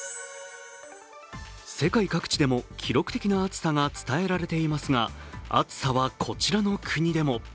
世界各地でも記録的な暑さが伝えられていますが暑さはこちらの国でも。